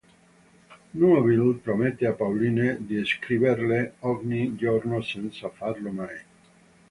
Neuville promette a Pauline di scriverle ogni giorno senza farlo mai.